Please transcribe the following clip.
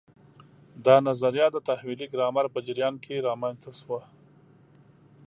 دا نظریه د تحویلي ګرامر په جریان کې رامنځته شوه.